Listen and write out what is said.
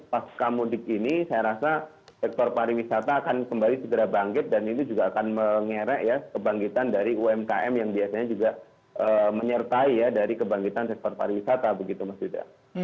pasca mudik ini saya rasa sektor pariwisata akan kembali segera bangkit dan itu juga akan mengerek ya kebangkitan dari umkm yang biasanya juga menyertai ya dari kebangkitan sektor pariwisata begitu mas yuda